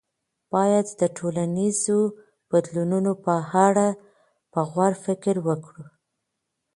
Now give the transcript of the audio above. باید د ټولنیزو بدلونونو په اړه په غور فکر وکړو.